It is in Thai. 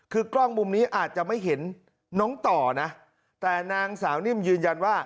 คือกล้องมุมนี้อาจจะไม่เห็นน้องต่อนะแต่นางสาวนิ่มยืนยันว่า